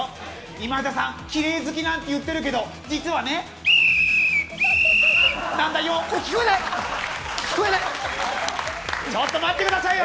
今田さん、きれい好きなんて言ってるけど、実はね、ピーピーなんだよ！